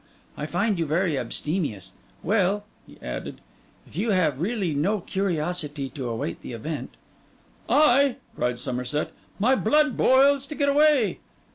I find you very abstemious. Well,' he added, 'if you have really no curiosity to await the event—' 'I!' cried Somerset. 'My blood boils to get away.